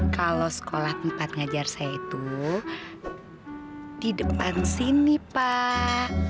kalau sekolah tempat ngajar saya itu di depan sini pak